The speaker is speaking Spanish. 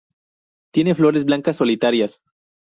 Tiene flores blancas solitarias.